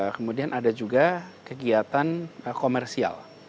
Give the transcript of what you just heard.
kemudian ada juga kegiatan komersial